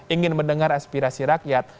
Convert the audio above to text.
ingin mendengar aspirasi rakyat